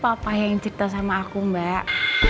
papa yang cipta sama aku mbak